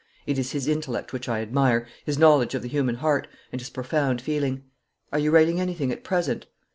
It is his intellect which I admire, his knowledge of the human heart, and his profound feeling. Are you writing anything at present?'